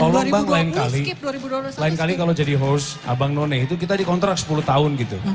kalau bang lain kali lain kali kalau jadi host abang none itu kita di kontrak sepuluh tahun gitu